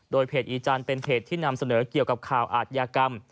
โดยเพจอีจันทร์เป็นเพจที่นำเสนอเกี่ยวกับข่าวอาทยากรรม